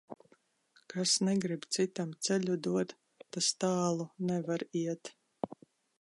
Kas negrib citam ceļu dot, tas tālu nevar iet.